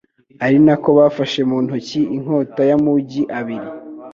ari na ko bafashe mu ntoki inkota y’amugi abiri